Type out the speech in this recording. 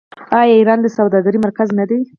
آیا ایران د سوداګرۍ مرکز نه دی؟